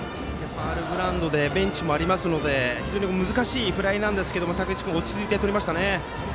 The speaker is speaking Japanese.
ファウルグラウンドでベンチもありますので非常に難しいフライですが竹内君、非常に落ち着いてとりましたね。